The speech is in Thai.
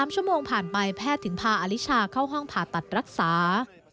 ๓ชั่วโมงผ่านไปแพทย์ถึงพาอลิชาเข้าห้องผ่าตัดรักษา